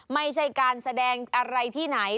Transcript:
ไม่ใช่การแสดงอะไรที่ไหน